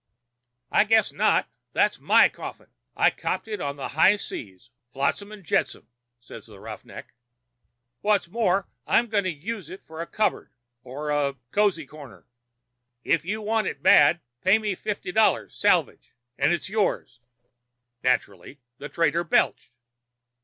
"'I guess not. That's my coffin. I copped it on the high seas—flotsam and jetsam,' says the 'roughneck.' 'What's more, I'm going to use it for a cupboard or a cozy corner. If you want it bad pay me fifty dollars salvage and it's yours.' Naturally the trader belched.